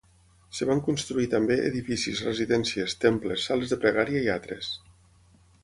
Es van construir també edificis, residències, temples, sales de pregària i altres.